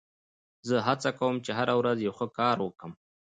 زه هڅه کوم، چي هره ورځ یو ښه کار وکم.